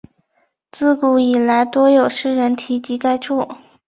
自古以来多有诗人提及该处。